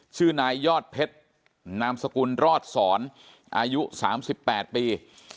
ชื่อนายยอดเพชรนามสกุลรอดสอนอายุ๓๘ปี